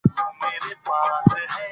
راځئ چې په دې ژبه ښه ژوند وکړو.